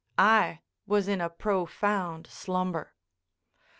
I was in a profound slumber.